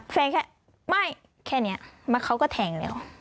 แค่ไม่แค่นี้เขาก็แทงแล้ว